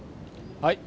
はい。